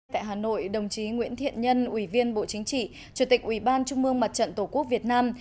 tại hà nội đồng chí nguyễn thiện nhân ủy viên bộ chính trị chủ tịch ủy ban trung mương mặt trận tổ quốc việt nam